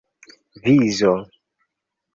vizo